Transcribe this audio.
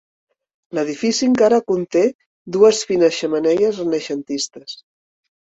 L'edifici encara conté dues fines xemeneies renaixentistes.